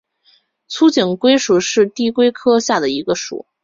粗颈龟属是地龟科下的一个属。